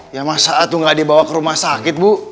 ya masa tuh gak dibawa ke rumah sakit bu